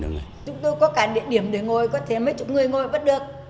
chúng tôi có cả địa điểm để ngồi có thêm mấy chục người ngồi bất được